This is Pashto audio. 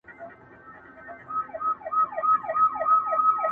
نه یې غوږ وو پر ښکنځلو پر جنګونو!.